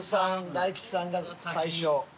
大吉さんが最初。